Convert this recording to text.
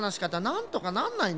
なんとかなんないの？